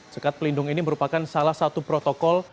sekat pelindung ini merupakan salah satu protokol